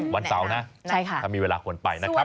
วันเสาร์นะถ้ามีเวลาควรไปนะครับ